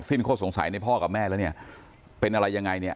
สิ้นข้อสงสัยในพ่อกับแม่แล้วเนี่ยเป็นอะไรยังไงเนี่ย